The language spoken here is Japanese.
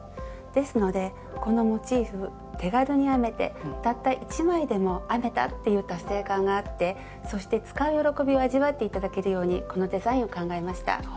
ですのでこのモチーフ手軽に編めてたった１枚でも編めたっていう達成感があってそして使う喜びを味わって頂けるようにこのデザインを考えました。